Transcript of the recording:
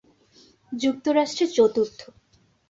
যুক্তরাষ্ট্রে চতুর্থ।